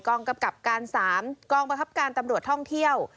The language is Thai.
กองกับกรับการสามกองประคับการตำรวจท่องเที่ยว